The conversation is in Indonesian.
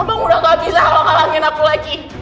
abang udah gak bisa kalahin aku lagi